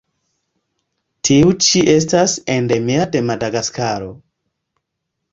Tiu ĉi estas endemia de Madagaskaro.